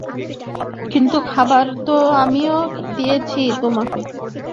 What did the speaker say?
কিন্তু খাবার তো আমিও দিয়েছি তোমাকে।